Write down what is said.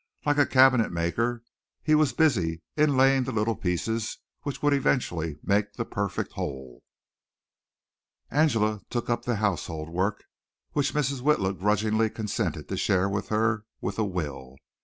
Like a cabinet maker, he was busy inlaying the little pieces which would eventually make the perfect whole. Angela took up the household work, which Mrs. Witla grudgingly consented to share with her, with a will.